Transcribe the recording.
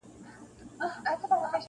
د نېکۍ او د احسان خبري ښې دي-